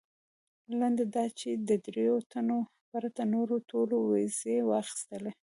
لنډه دا چې د درېیو تنو پرته نورو ټولو ویزې واخیستلې.